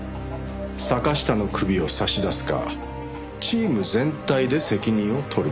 坂下の首を差し出すかチーム全体で責任を取るか。